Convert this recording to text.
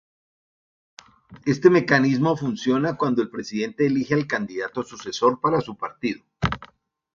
Este mecanismo funciona cuando el presidente elige al candidato sucesor para su partido.